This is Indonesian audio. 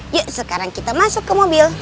yuk sekarang kita masuk ke mobil